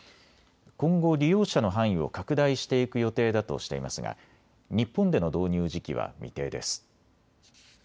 今後、利用者の範囲を拡大していく予定だとしていますが日本での導入時期は未定です。